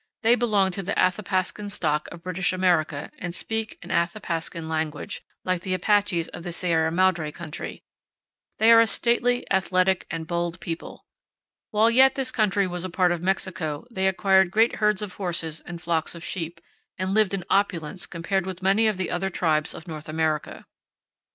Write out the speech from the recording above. They belong to the Athapascan stock of British America and speak an Athapascan language, like the Apaches of the Sierra Madre country. They are a stately, athletic, and bold people. While yet this country was a part of Mexico they acquired great herds of horses and flocks of sheep, and lived in opulence compared with many of the other tribes of North America.